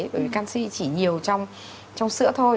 bởi vì canxi chỉ nhiều trong sữa thôi